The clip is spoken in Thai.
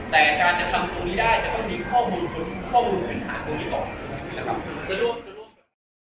แต่การจะทำตรงนี้ได้จะต้องมีข้อมูลพื้นฐานตรงนี้ต่อ